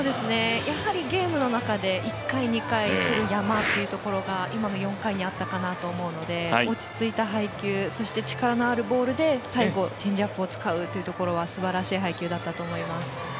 ゲームの中で１回、２回来る山っていうのが今の４回にあったかなと思うので落ち着いた配球そして力のあるボールで最後、チェンジアップを使うというところはすばらしい配球だったと思います。